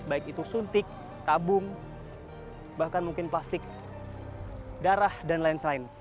baik itu suntik tabung bahkan mungkin plastik darah dan lain lain